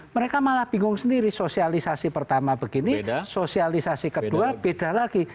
mereka malah bingung sendiri sosialisasi pertama begini sosialisasi kedua beda lagi